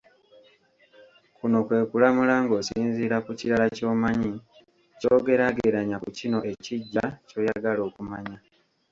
Kuno kwe kulamula ng'osinziira ku kirala ky'omanyi, ky'ogeraageranya ku kino ekiggya, ky'oyagala okumanya.